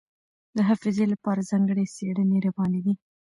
د حافظې لپاره ځانګړې څېړنې روانې دي.